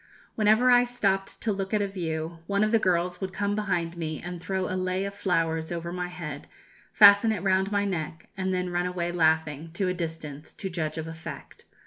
Whenever I stopped to look at a view, one of the girls would come behind me and throw a lei of flowers over my head, fasten it round my neck, and then run away laughing, to a distance, to judge of effect.